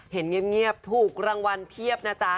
เห็นเงียบถูกรางวัลเพียบนะจ๊ะ